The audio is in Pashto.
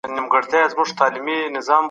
سلیمان عليه السلام د همدې زوی نسل وي؟ په